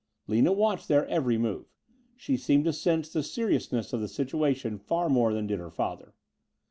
Lina watched their every move. She seemed to sense the seriousness of the situation far more than did her father.